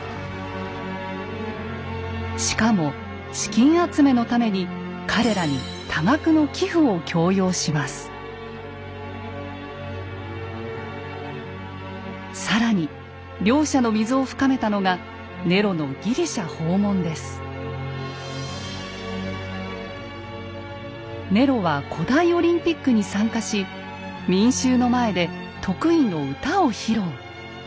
しかも資金集めのために彼らに更に両者の溝を深めたのがネロのネロは古代オリンピックに参加し民衆の前で得意の歌を披露。